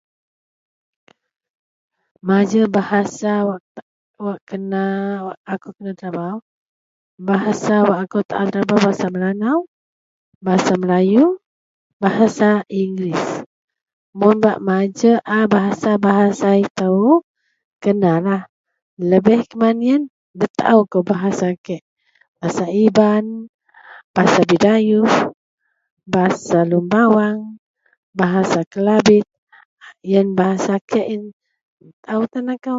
Menajer bahasa wak kena akou kena telabau bahasa melanau bahasa melayu bahasa ingeris mun bak mengajer a bahasa-bahasa ito kenalah lebih kuman iyen nda taou kou bahasa kek bahasa Iban bahasa bidayuh bahasa lun bawang bahasa kelabit iyen bahasa kek iyen taou tan akou.